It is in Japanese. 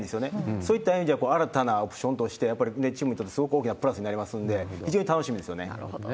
そういった意味では新たなオプションとして、やっぱりチームにとってすごく大きなプラスになりますので、非常なるほど。